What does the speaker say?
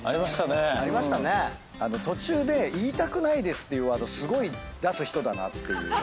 途中で「言いたくないです」というワードすごい出す人だなって。